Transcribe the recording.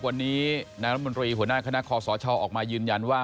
วันนี้นายรัฐมนตรีหัวหน้าคณะคอสชออกมายืนยันว่า